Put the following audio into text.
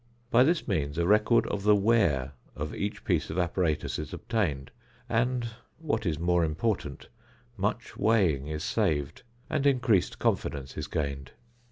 By this means a record of the "wear" of each piece of apparatus is obtained, and, what is more important, much weighing is saved, and increased confidence is gained.